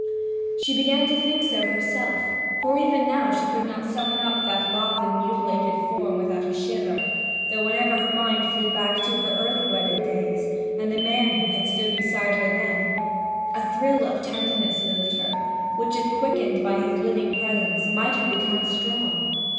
She began to think so herself; for even now she could not summon up that lopped and mutilated form without a shiver, though whenever her mind flew back to her early wedded days, and the man who had stood beside her then, a thrill of tenderness moved her, which if quickened by his living presence might have become strong.